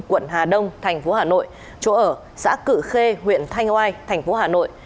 quận hà đông thành phố hà nội chỗ ở xã cự khê huyện thanh oai thành phố hà nội